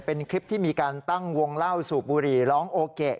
เป็นคลิปที่มีการตั้งวงเล่าสูบบุหรี่ร้องโอเกะ